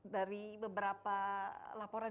dari beberapa laporan